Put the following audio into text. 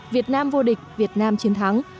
việt nam vô địch việt nam chiến thắng